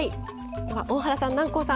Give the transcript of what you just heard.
大原さん南光さん